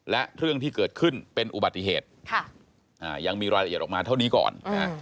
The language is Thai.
และเรื่องที่เกิดขึ้นเป็นอุบัติเหตุยังมีรายละเอียดออกมาเท่านี้ก่อน